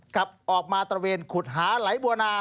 กลับออกมาตระเวนขุดหาไหลบัวนา